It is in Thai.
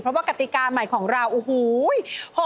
เพราะว่ากติกาใหม่ของเราโอ้โห